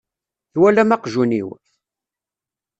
Twalam aqjun-iw?